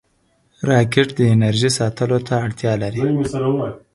راکټ د انرژۍ ساتلو ته اړتیا لري